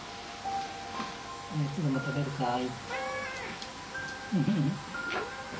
おやつでも食べるかい？